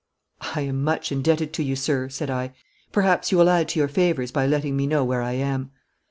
'I am much indebted to you, sir,' said I. 'Perhaps you will add to your favours by letting me know where I am.'